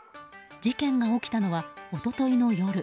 事件が起きたのは一昨日の夜。